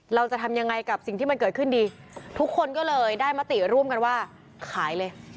เราจะทำยังไงกับสิ่งที่มันเกิดขึ้นดีทุกคนก็เลยได้มติร่วมกันว่าขายเลย